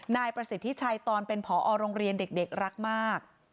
นายประสิทธิชัยตอนเป็นผอโรงเรียนเด็กรักมาก